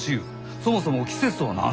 そもそも季節とは何じゃ？